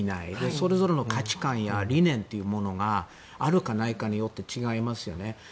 それぞれの価値観や理念というものがあるかないかによって違いますよね。